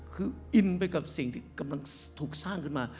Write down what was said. คืออินไปกับสิ่งที่กำลังถูกสร้างขึ้นมา